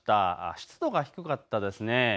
湿度が低かったですね。